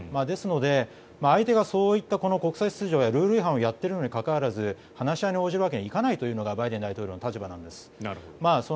ですので、相手がそういった国際秩序やルール違反をやっているにもかかわらず話し合いに応じるわけにいかないというのがバイデン大統領の立場なんです。